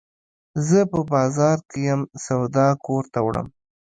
زه په بازار کي یم، سودا کور ته وړم.